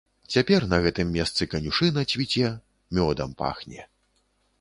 Цяпер на гэтым месцы канюшына цвіце, мёдам пахне.